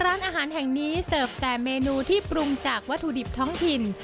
ร้านอาหารแห่งนี้เสิร์ฟแต่เมนูที่ปรุงจากวัตถุดิบท้องถิ่น